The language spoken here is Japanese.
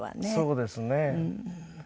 そうですね。